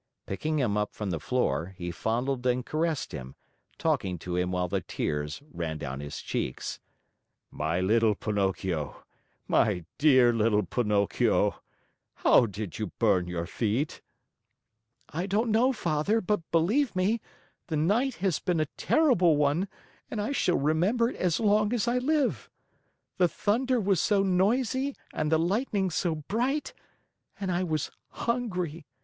Picking him up from the floor, he fondled and caressed him, talking to him while the tears ran down his cheeks: "My little Pinocchio, my dear little Pinocchio! How did you burn your feet?" "I don't know, Father, but believe me, the night has been a terrible one and I shall remember it as long as I live. The thunder was so noisy and the lightning so bright and I was hungry.